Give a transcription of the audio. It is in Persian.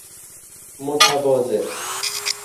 متواضع